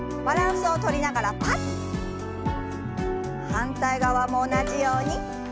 反対側も同じように。